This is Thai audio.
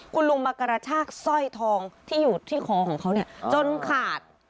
คุณลุงมากระชากสร้อยทองที่อยู่ที่คอของเขาเนี่ยจนขาด